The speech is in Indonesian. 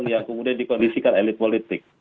yang kemudian dikondisikan elit politik